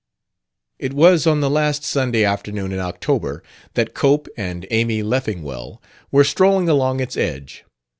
It was on the last Sunday afternoon in October that Cope and Amy Leffingwell were strolling along its edge.